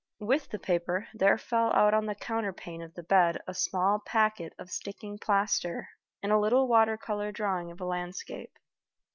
With the paper there fell out on the counterpane of the bed a small packet of sticking plaster, and a little water color drawing of a landscape.